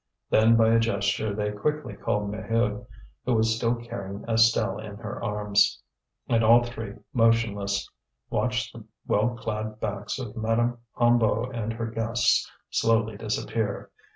Then by a gesture they quickly called Maheude, who was still carrying Estelle in her arms. And all three, motionless, watched the well clad backs of Madame Hennebeau and her guests slowly disappear.